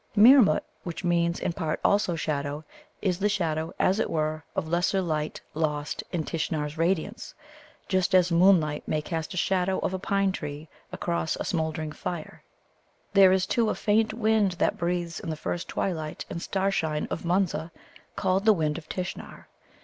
Meermut, which means in part also shadow, is the shadow, as it were, of lesser light lost in Tishnar's radiance, just as moonlight may cast a shadow of a pine tree across a smouldering fire. There is, too, a faint wind that breathes in the first twilight and starshine of Munza called the Wind of Tishnar.